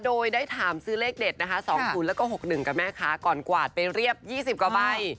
โดยได้ถามซื้อเลขเด็ดนะคะ๒๐แล้วก็๖๑กับแม่ค้าก่อนกวาดไปเรียบ๒๐กว่าใบ